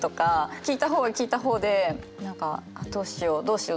聞いた方は聞いた方で何かどうしようどうしようどうしよう。